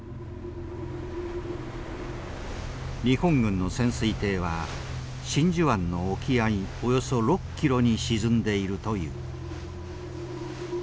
日本軍の潜水艇は真珠湾の沖合およそ６ｋｍに沈んでいるという。